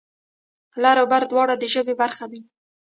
لر و بر دواړه د ژبې برخه دي.